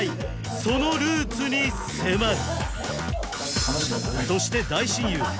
そのルーツに迫る！